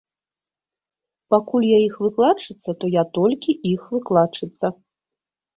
Пакуль я іх выкладчыца, то я толькі іх выкладчыца.